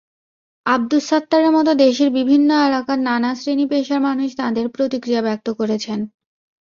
আবদুস সাত্তারের মতো দেশের বিভিন্ন এলাকার নানা শ্রেণী-পেশার মানুষ তাঁদের প্রতিক্রিয়া ব্যক্ত করেছেন।